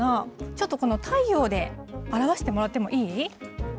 ちょっとこの太陽で表してもらってもいい？